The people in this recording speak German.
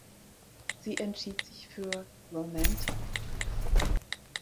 Sie entschied sich für "Romantic".